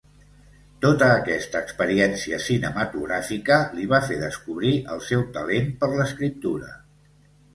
Tota aquesta experiència cinematogràfica li va fer descobrir el seu talent per l'escriptura.